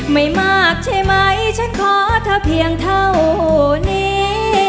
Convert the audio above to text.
ไม่มากใช่ไหมฉันขอเธอเพียงเท่านี้